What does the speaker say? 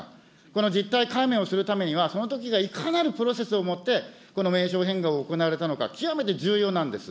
この実態解明をするためには、そのときがいかなるプロセスをもって、この名称変更が行われたのか、極めて重要なんです。